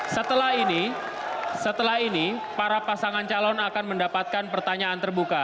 setelah ini setelah ini para pasangan calon akan mendapatkan pertanyaan terbuka